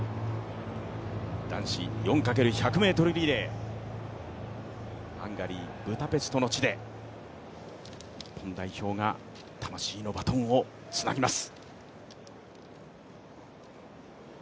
男子４ｘ１００ｍリレー、ハンガリー・ブダペストの地で日本代表が魂のバトンをつなぎます。